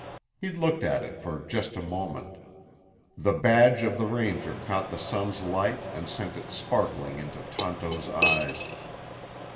He looked at it for just a moment. The badge of the Ranger caught the sun's light and sent it sparkling into Tonto's eyes.